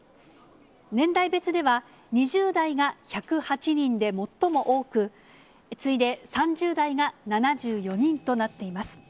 年代別では、２０代が１０８人で最も多く、次いで３０代が７４人となっています。